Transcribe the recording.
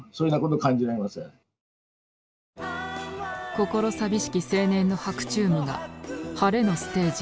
心寂しき青年の「白昼夢」が晴れのステージへ。